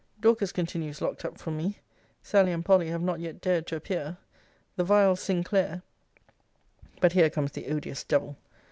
Dorcas continues locked up from me: Sally and Polly have not yet dared to appear: the vile Sinclair But here comes the odious devil.